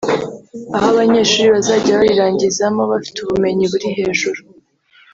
aho abanyeshuri bazajya barirangizamo bafite ubumenyi buri hejuru